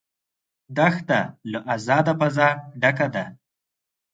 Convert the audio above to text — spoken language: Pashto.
دښته له آزاده فضا ډکه ده.